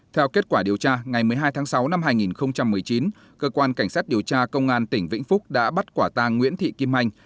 theo kết quả điều tra ngày một mươi hai tháng sáu năm hai nghìn một mươi chín cơ quan cảnh sát điều tra công an tỉnh vĩnh phúc đã bắt quả tàng nguyễn thị kim anh